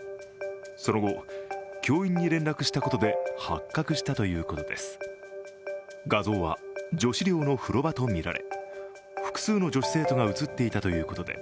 その後、教員に連絡したことで発覚したということです。